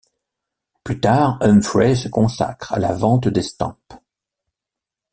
Plus tard, Humphrey se consacre à la vente d'estampes.